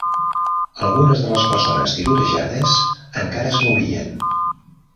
Algunes de les persones tirotejades encara es movien.